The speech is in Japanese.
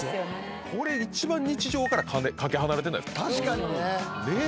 これ一番日常から懸け離れてないですか。